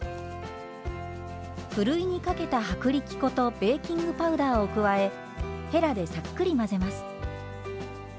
ふるいにかけた薄力粉とベーキングパウダーを加えへらでさっくり混ぜます。